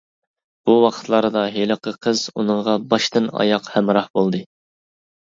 بۇ ۋاقىتلاردا ھېلىقى قىز ئۇنىڭغا باشتىن ئاياق ھەمراھ بولدى.